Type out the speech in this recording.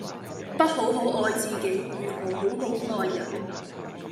不好好愛自己如何好好愛人